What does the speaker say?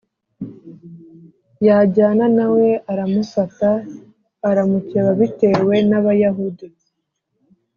yajyana na we aramufata aramukeba bitewe n Abayahudi